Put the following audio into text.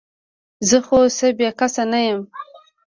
زه خو څه بې کسه نه یم ؟